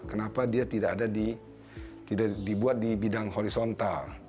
kenapa dia tidak dibuat di bidang horizontal